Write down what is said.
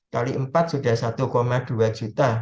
kali empat sudah satu dua juta